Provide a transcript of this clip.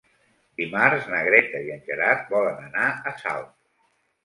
Dimarts na Greta i en Gerard volen anar a Salt.